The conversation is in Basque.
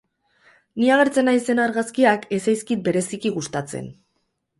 Ni agertzen naizen argazkiak ez zaizkit bereziki gustatzen.